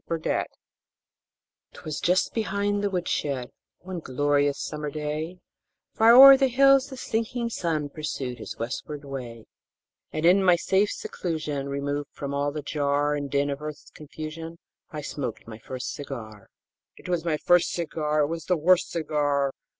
BURDETTE 'Twas just behind the woodshed, One glorious summer day, Far o'er the hills the sinking sun Pursued his westward way; And in my safe seclusion Removed from all the jar And din of earth's confusion I smoked my first cigar. It was my first cigar! It was the worst cigar!